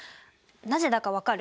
なぜだか分かる？